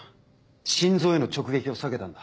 心臓への直撃を避けたんだ。